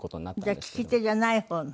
じゃあ利き手じゃない方の。